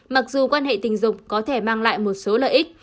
mặc dù quan hệ tình dục có thể mang lại một số lợi ích